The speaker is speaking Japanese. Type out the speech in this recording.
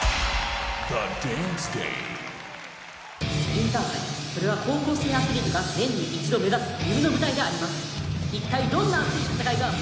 インターハイ、それは高校生アスリートが年に一度目指す夢の舞台であります。